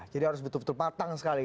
jadi harus betul betul patang sekali